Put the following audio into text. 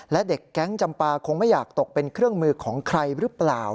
และเด็กแก๊งจำปาคงไม่อยากตกเป็นเครื่องมือของใครหรือเปล่า